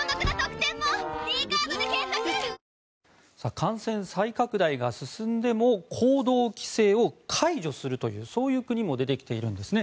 感染再拡大が進んでも行動規制を解除するというそういう国も出てきているんですね。